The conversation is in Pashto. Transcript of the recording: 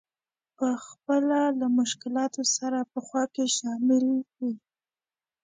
په خپله له مشکلاتو سره په خوا کې شامل وي.